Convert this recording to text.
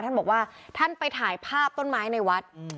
ท่านบอกว่าท่านไปถ่ายภาพต้นไม้ในวัด